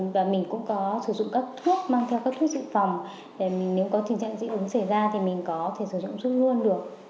và mình cũng có sử dụng các thuốc mang theo các thuốc dự phòng để nếu có tình trạng dị ứng xảy ra thì mình có thể sử dụng thuốc luôn được